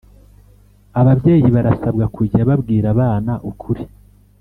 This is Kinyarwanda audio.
Ababyeyibarasabwa kujya babwira abana ukuri